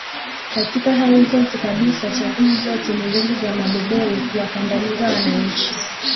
Katika Hali zote kabisa chaguzi zote ni vyombo vya mabeberu kuwakandamiza wananchi